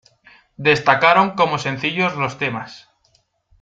Destacaron como sencillos los temas.